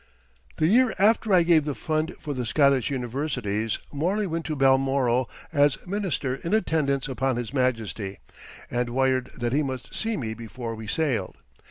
The year after I gave the fund for the Scottish universities Morley went to Balmoral as minister in attendance upon His Majesty, and wired that he must see me before we sailed.